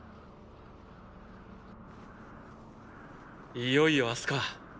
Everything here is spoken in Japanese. いよいよ明日か。